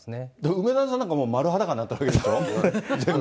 梅沢さんなんかもう、丸裸になったわけでしょ、全部。